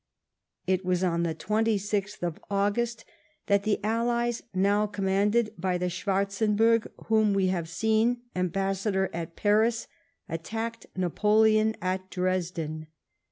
It was on the 2Gth of August that the Allies, now com manded by the Schwarzenberg whom we have seen am bassador at Paris, attacked Napoleon at Dresden.